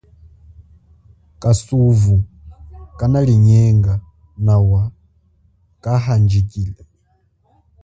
Kazovu kanalinyenga nawa kahandjikile.